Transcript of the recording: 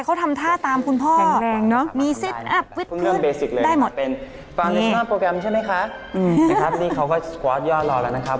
เขาทำท่าตามคุณพ่อแข็งแรงเนอะมีได้หมดนี่เขาก็ยอดหล่อแล้วนะครับ